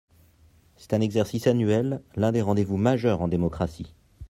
C’est un exercice annuel, l’un des rendez-vous majeurs en démocratie.